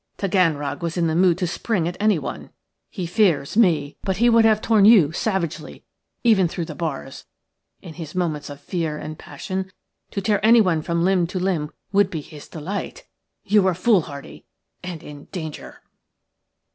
Taganrog was in the mood to spring at anyone. He fears me, but he would have torn you savagely even through the bars. In his moments of fear and passion, to tear anyone limb from limb would be his delight. You were foolhardy and in danger."